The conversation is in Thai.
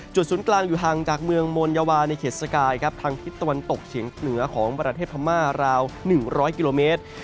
ศูนย์กลางอยู่ห่างจากเมืองโมนยาวาในเขตสกายครับทางทิศตะวันตกเฉียงเหนือของประเทศพม่าราว๑๐๐กิโลเมตร